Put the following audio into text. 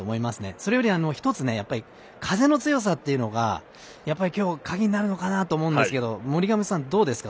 それより、一つ、風の強さっていうのがやっぱり今日、鍵になるのかなと思うんですけど森上さん、どうですか？